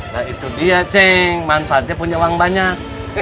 nah itu dia ceng manfaatnya punya uang banyak